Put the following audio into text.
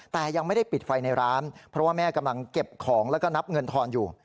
แต่ยังไม่ได้ปิดไฟในร้านเพราะว่าแม่กำลังเก็บของแล้วก็นับเงินทอนอยู่